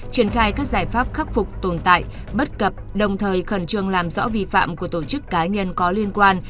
triển khai các giải pháp khắc phục tồn tại bất cập đồng thời khẩn trương làm rõ vi phạm của tổ chức cá nhân có liên quan